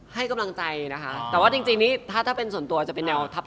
ให้กำลังใจนะคะแต่ว่าจริงนี่ถ้าถ้าเป็นส่วนตัวจะเป็นแนวทัพ